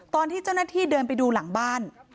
ตอนที่เจ้าหน้าที่เดินไปดูหลังบ้าน